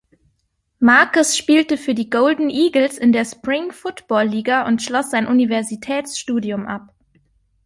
Marcus spielte für die Golden Eagles in der Spring Football-Liga und schloss sein Universitätsstudium ab.